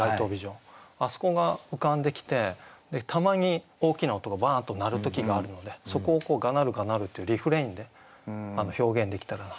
あそこが浮かんできてたまに大きな音がバーンと鳴る時があるのでそこを「我鳴るがなる」っていうリフレインで表現できたらなと。